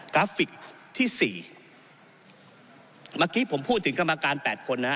ราฟิกที่สี่เมื่อกี้ผมพูดถึงกรรมการแปดคนนะฮะ